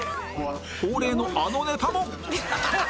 恒例のあのネタも